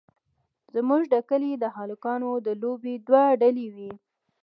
زموږ د کلي د هلکانو د لوبو دوه ډلې وې.